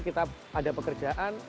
kita ada pekerjaan